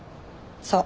そう。